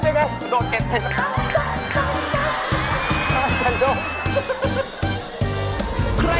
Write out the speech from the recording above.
แสดงไงครับ